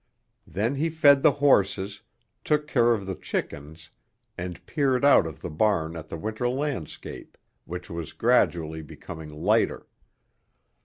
Then he fed the horses, took care of the chickens and peered out of the barn at the winter landscape which was gradually becoming lighter.